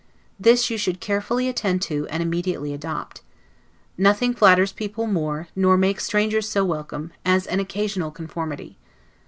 This you should carefully attend to, and immediately adopt. Nothing flatters people more, nor makes strangers so welcome, as such an occasional conformity.